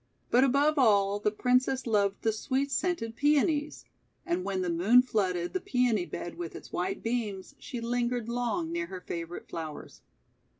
But above all, the Princess loved the sweet scented Peonies; and when the moon flooded the Peony bed with its white beams, she lingered long near her favourite flowers.